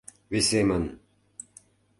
Весемын.